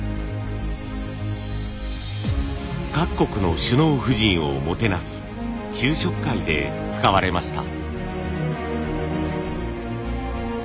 各国の首脳夫人をもてなす昼食会で使われました。